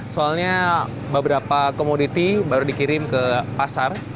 soalnya beberapa komoditi baru dikirim ke pasar